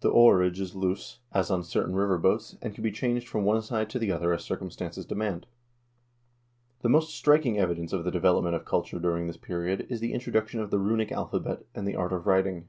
The oarage is loose, as on certain river boats, and can be changed from one side to the other as circumstances demand." * The most striking evidence of the development of culture during this period is the introduction of the runic alphabet and the art of writing.